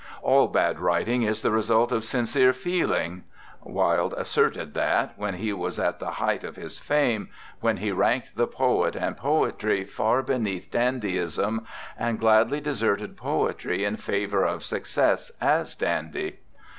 "All bad writing is the result of sincere feeling" Wilde as serted that when he was at the height of his fame, when he ranked the poet and poetry far beneath dandyism, and gladly deserted poetry in favor of success as dandy.